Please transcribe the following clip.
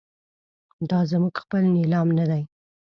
دا زموږ خپل نیلام نه دی.